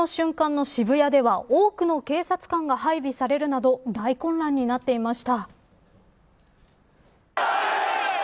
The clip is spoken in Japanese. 年越しの瞬間の渋谷では多くの警察官が配備されるなど大混乱になっていました。